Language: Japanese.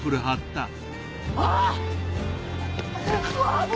あっ！